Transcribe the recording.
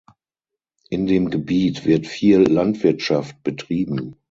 In dem Gebiet wird viel Landwirtschaft betrieben.